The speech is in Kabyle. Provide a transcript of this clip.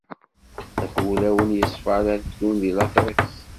At wulawen yeṣfan ad ddun di later-is.